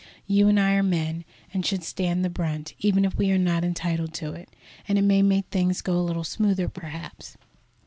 You and I are men, and should stand the brunt, even if we are not entitled to it, and it may make things go a little smoother, perhaps."